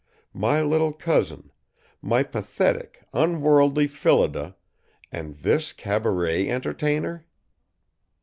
My little cousin, my pathetic, unworldly Phillida and this cabaret entertainer!